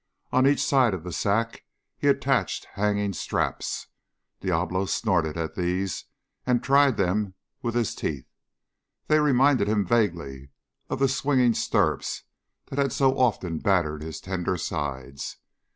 On each side of the sack he attached hanging straps. Diablo snorted at these and tried them with his teeth. They reminded him vaguely of the swinging stirrups that had so often battered his tender sides.